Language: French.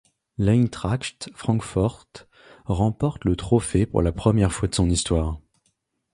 L'Eintracht Francfort remporte le trophée pour la première fois de son histoire.